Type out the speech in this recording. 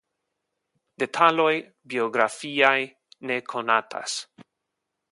Detaloj biografiaj ne konatas.